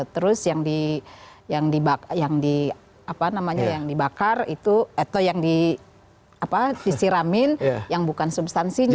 terus yang dibakar itu atau yang disiramin yang bukan substansinya